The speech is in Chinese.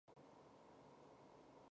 不能给孩子好一点的东西